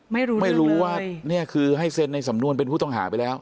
ไม่รู้เรื่องเลยไม่รู้ว่านี่คือให้เซ็นในสำนวนเป็นผู้ต้องหาไปแล้ว